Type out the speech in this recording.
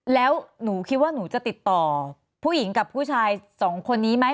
แล้วหนูคิดว่าหนูจะติดต่อผู้หญิงกับผู้ชายสองคนนี้ไหม